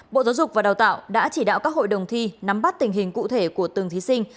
bộ giáo dục và đào tạo đã chỉ đạo các hội đồng thi nắm bắt tình hình cụ thể của từng thí sinh